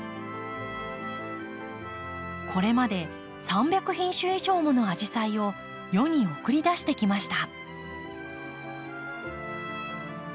これまで３００品種以上ものアジサイを世に送り出してきました。